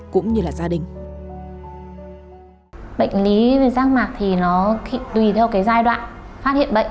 cũng như là gia đình